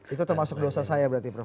itu termasuk dosa saya berarti prof